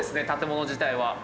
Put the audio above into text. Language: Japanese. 建物自体は。